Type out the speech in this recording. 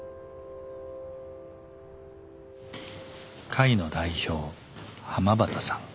会の代表濱端さん。